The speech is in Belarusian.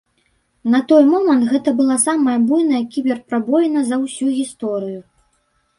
На той момант гэта была самая буйная кібер-прабоіна за ўсю гісторыю.